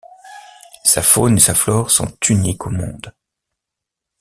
Sa faune et sa flore sont uniques au monde.